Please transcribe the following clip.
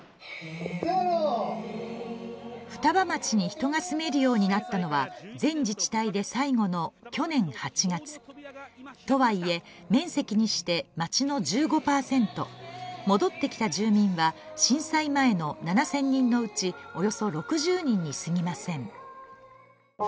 双葉町に人が住めるようになったのは全自治体で最後の去年８月とはいえ、面積にして、町の１５％戻ってきた住民は震災前の７０００人のうちおよそ６０人に過ぎません。